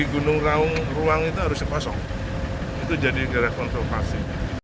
gunung raung ruang itu harus dipasok itu jadi gara konservasi